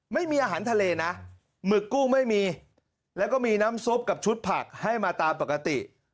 ไม่มีอาหารทะเลนะหมึกกุ้งไม่มีแล้วก็มีน้ำซุปกับชุดผักให้มาตามปกติ